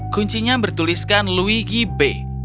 kuncinya bertuliskan luigi b